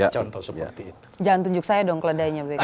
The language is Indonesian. jangan tunjuk saya dong keledainya bk